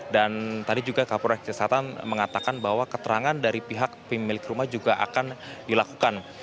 dan tadi juga kapolres jakarta selatan mengatakan bahwa keterangan dari pihak pemilik rumah juga akan dilakukan